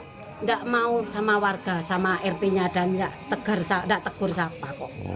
tidak mau sama warga sama rt nya dan tidak tegur sama